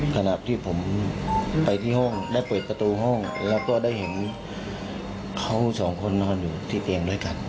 ขณะที่ผมไปที่ห้องได้เปิดประตูห้องแล้วก็ได้เห็นเขาสองคนนอนอยู่ที่เตียงด้วยกัน